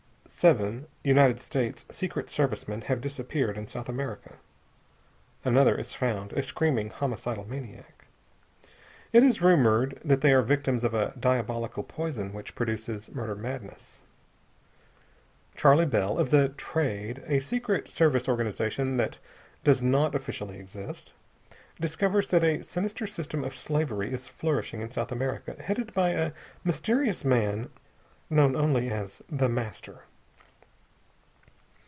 ] Seven United States Secret Service men have disappeared in South America. Another is found a screaming homicidal maniac. It is rumored that they are victims of a diabolical poison which produces "murder madness." Charley Bell, of the "Trade" a secret service organization that does not officially exist discovers that a sinister system of slavery is flourishing in South America, headed by a mysterious man known only as The Master.